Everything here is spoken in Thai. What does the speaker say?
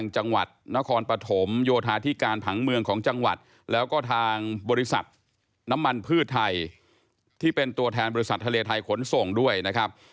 จังหวัดแล้วก็ทางบริษัทน้ำมันพืชไทยที่เป็นตัวแทนบริษัททะเลไทยขนส่งด้วยนะครับ